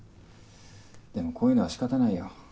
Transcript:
でもこういうのは仕方ないよ。